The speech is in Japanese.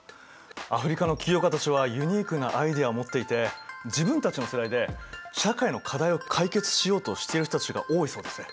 アフリカの起業家たちはユニークなアイデアを持っていて自分たちの世代で社会の課題を解決しようとしてる人たちが多いそうですね。